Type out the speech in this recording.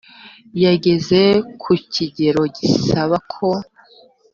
yangiza ku kigero gisaba ko